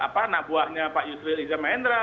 apa nabuahnya pak yudhira iza maendra